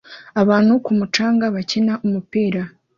Abantu ku mucanga bakina umupira